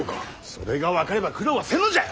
それが分かれば苦労はせんのじゃ！